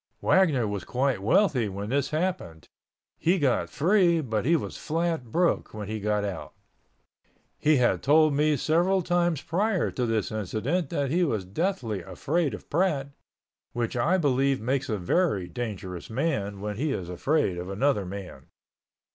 Wagner was quite wealthy when this happened. He got free but he was flat broke when he got out. He had told me several times prior to this incident that he was deathly afraid of Pratt, which I believe makes a very dangerous man when he is afraid of another man.